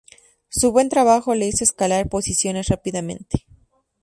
Su buen trabajo le hizo escalar posiciones rápidamente.